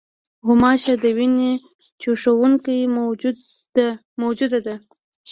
غوماشه د وینې چوشوونکې موجوده ده.